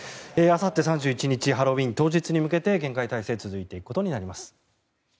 あさって３１日ハロウィーン当日に向けて厳戒態勢続いていくことになります。